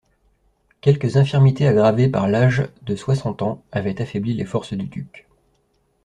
Quelques infirmités, aggravées par l'âge de soixante ans, avaient affaibli les forces du duc.